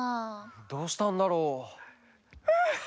どうしたんだろう？はあ